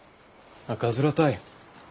赤面たい。